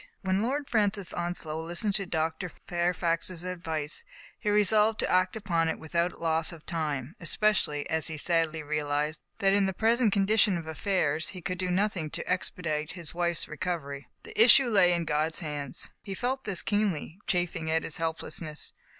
*' When Lord Francis Onslow listened to Dr. Fairfax's advice, he resolved to act upon it with out loss of time, especially as he sadly realized that in the present condition of affairs he could do nothing to expedite his wife's recovery. The issue lay in God's hands. He felt this keenly, chafing at his helplessness.